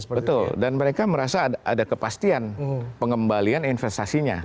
betul dan mereka merasa ada kepastian pengembalian investasinya